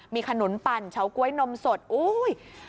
มีขนุนปั่นเฉาก๊วยนมสดอุ้ย